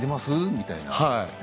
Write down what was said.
みたいな。